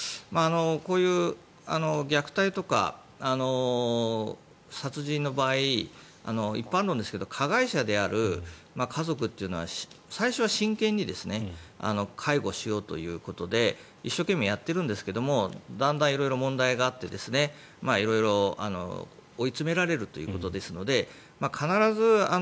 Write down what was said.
こういう虐待とか殺人の場合一般論ですが加害者である家族というのは最初は真剣に介護しようということで一生懸命やっているんですけれどもだんだん、色々な問題があって色々追いつめられるということですので必ず